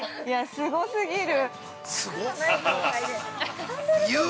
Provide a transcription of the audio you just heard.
すごすぎる。